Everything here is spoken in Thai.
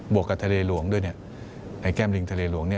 วกกับทะเลหลวงด้วยไอ้แก้มลิงทะเลหลวง